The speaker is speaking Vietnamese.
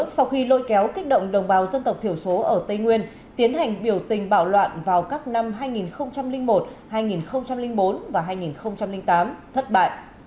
xin chào và hẹn gặp lại